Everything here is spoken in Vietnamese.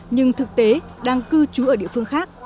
nhưng thực tế đang cư trú ở địa phương khác